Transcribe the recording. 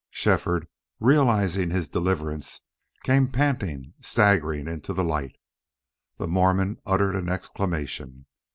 Shefford, realizing his deliverance, came panting, staggering into the light. The Mormon uttered an exclamation.